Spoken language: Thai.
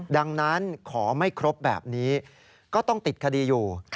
ดังนั้นขอไม่ครบแบบนี้ก็ต้องติดคดีอยู่